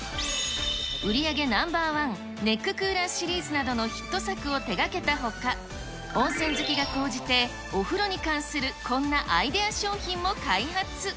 売り上げナンバー１、ネッククーラーシリーズなどのヒット作を手がけたほか、温泉好きが高じて、お風呂に関するこんなアイデア商品も開発。